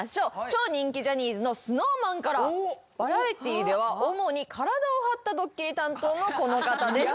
超人気ジャニーズのＳｎｏｗＭａｎからバラエティーでは主に体を張ったドッキリ担当のこの方です